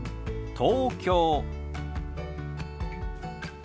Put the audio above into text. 東京。